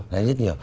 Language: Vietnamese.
đấy rất nhiều